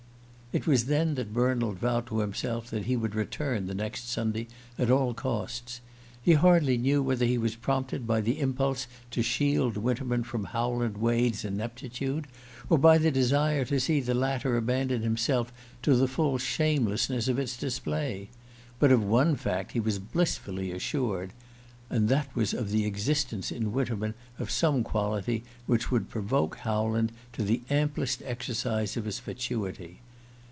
It was then that Bernald vowed to himself that he would return the next Sunday at all costs. He hardly knew whether he was prompted by the impulse to shield Winterman from Howland Wade's ineptitude, or by the desire to see the latter abandon himself to the full shamelessness of its display; but of one fact he was blissfully assured and that was of the existence in Winterman of some quality which would provoke Howland to the amplest exercise of his fatuity.